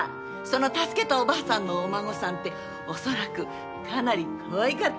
その助けたおばあさんのお孫さんって恐らくかなりかわいかったんでしょ？